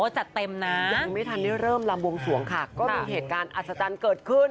จัดเต็มนะยังไม่ทันได้เริ่มลำวงสวงค่ะก็มีเหตุการณ์อัศจรรย์เกิดขึ้น